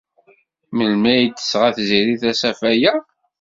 Melmi ay d-tesɣa Tiziri tasafa-a?